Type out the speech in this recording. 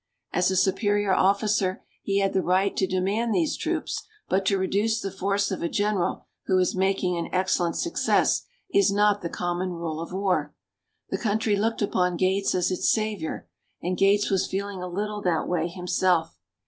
As a superior officer he had the right to demand these troops; but to reduce the force of a general who is making an excellent success is not the common rule of war. The country looked upon Gates as its savior, and Gates was feeling a little that way himself.